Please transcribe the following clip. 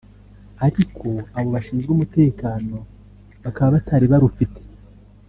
ariko abo bashinzwe umutekano bakaba batari barufite